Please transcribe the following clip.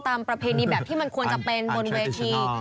ประเพณีแบบที่มันควรจะเป็นบนเวที